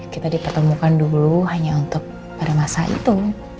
kita dipertemukan dulu hanya untuk pada masa itu